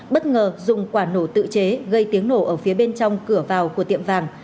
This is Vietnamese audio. bất ngờ dùng quả nổ tự chế gây tiếng nổ ở phía bên trong cửa vào của tiệm vàng